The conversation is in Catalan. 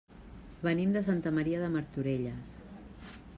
Venim de Santa Maria de Martorelles.